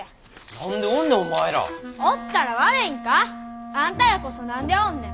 何でおんねんお前ら。おったら悪いんか！？あんたらこそ何でおんねん？